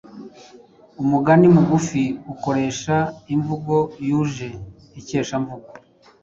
Umugani mugufi ukoresha imvugo yuje ikeshamvugo